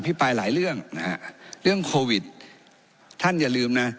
ปลายหลายเรื่องนะฮะเรื่องโควิดท่านอย่าลืมนะ